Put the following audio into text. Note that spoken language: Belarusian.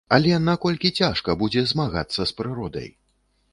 Але наколькі цяжка будзе змагацца з прыродай?